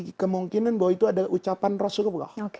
memiliki kemungkinan bahwa itu adalah ucapan rasulullah